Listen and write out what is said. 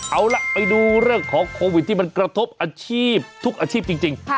เอาล่ะไปดูเรื่องของโควิดที่มันกระทบอาชีพทุกอาชีพจริง